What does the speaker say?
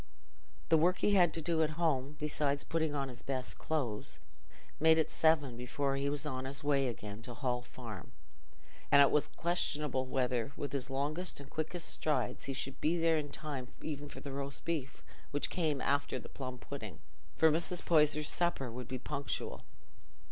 The work he had to do at home, besides putting on his best clothes, made it seven before he was on his way again to the Hall Farm, and it was questionable whether, with his longest and quickest strides, he should be there in time even for the roast beef, which came after the plum pudding, for Mrs. Poyser's supper would be punctual.